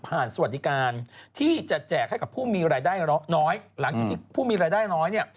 สวัสดีการที่จะแจกให้กับผู้มีรายได้น้อยหลังจากที่ผู้มีรายได้น้อยเนี่ย